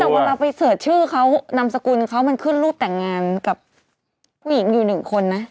แต่เวลาไปเสิร์ชชื่อเขานามสกุลเขามันขึ้นรูปแต่งงานกับผู้หญิงอยู่หนึ่งคนนะ